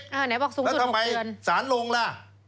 ไหนบอกสูงสุด๖เดือนสารลงล่ะ